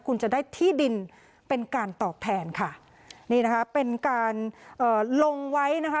คุณจะได้ที่ดินเป็นการตอบแทนค่ะนี่นะคะเป็นการเอ่อลงไว้นะคะ